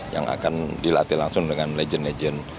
yang akan dilatih langsung dengan legend legend